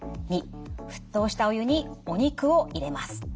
②沸騰したお湯にお肉を入れます。